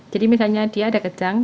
jadi misalnya dia ada kejang